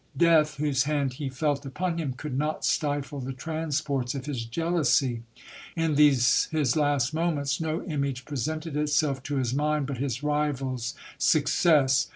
Death, whose hand he felt upon him, could not stifle the transports of his jealousy. In these his last moments, no image presented itself to his mind but his rival's success.